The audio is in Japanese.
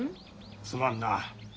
すまんな。